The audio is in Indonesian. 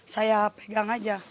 saya pegang aja